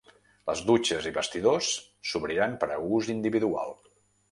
Les dutxes i vestidors s’obriran per a ús individual.